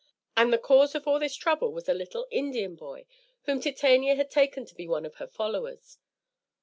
And the cause of all this trouble was a little Indian boy whom Titania had taken to be one of her followers.